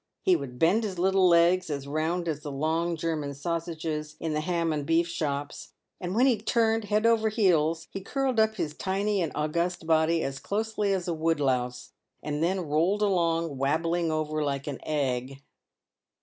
He would bend his little legs as round as the long German sausages in the ham and beef shops, and when he turned head over heels, he curled up his tiny and ' august body as closely as a wood louse, and then rolled along, wab bling over like an egg.